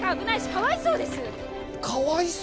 かわいそう